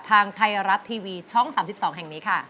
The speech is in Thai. ทางไทยรัฐทีวีช่อง๓๒แห่งนี้ค่ะ